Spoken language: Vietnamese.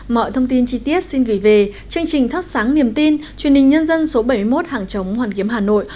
mọi thông tin chi tiết xin gửi về chương trình thắp sáng niềm tin truyền hình nhân dân số bảy mươi một hàng chống hoàn kiếm hà nội